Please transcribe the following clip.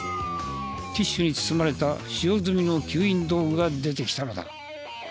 ティッシュに包まれた使用済みの吸引道具が出てきたのだ。